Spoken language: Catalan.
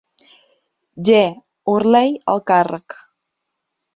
G. Hurley al càrrec.